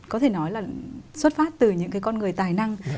có thể nói là xuất phát từ những cái con người tài năng